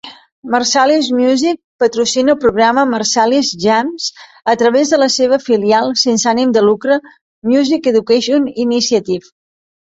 Marsalis Music patrocina el programa Marsalis Jams a través de la seva filial sense ànim de lucre Music Education Initiative.